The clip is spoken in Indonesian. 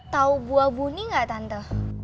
tau buah buni ga tante